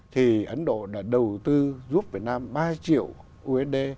thì ấn độ đã đầu tư giúp việt nam ba triệu usd